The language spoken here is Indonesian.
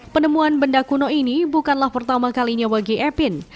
penemuan benda kuno ini bukanlah pertama kalinya bagi epin